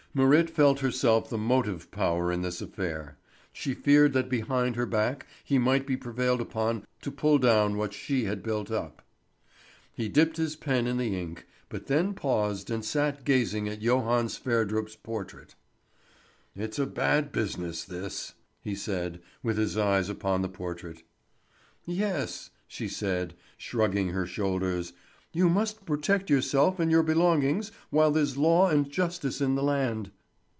Marit felt herself the motive power in this affair. She feared that behind her back he might be prevailed upon to pull down what she had built up. He dipped his pen in the ink, but then paused and sat gazing at Johan Sverdrup's portrait. "It's a bad business, this," he said, with his eyes upon the portrait. "Yes!" she said, shrugging her shoulders. "You must protect yourself and your belongings while there's law and justice in the land."